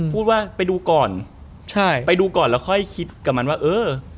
พูดว่าไปดูก่อนใช่ไปดูก่อนแล้วค่อยคิดกับมันว่าเออ